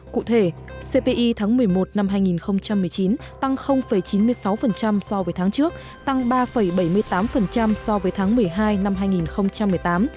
cụ thể cpi tháng một mươi một năm hai nghìn một mươi chín tăng chín mươi sáu so với tháng trước tăng ba bảy mươi tám so với tháng một mươi hai năm hai nghìn một mươi tám